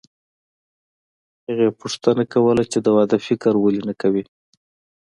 هغې پوښتنه کوله چې د واده فکر ولې نه کوې